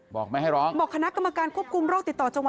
บอกไม่ให้ร้อง